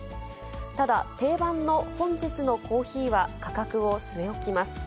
ただ、定番の本日のコーヒーは価格を据え置きます。